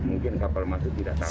mungkin kapal masuk tidak tahu